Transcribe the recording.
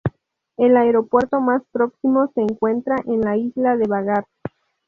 El aeropuerto más próximo se encuentra en la isla de Vágar.